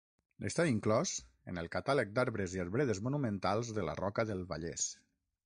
Està inclòs en el Catàleg d'Arbres i Arbredes Monumentals de la Roca del Vallès.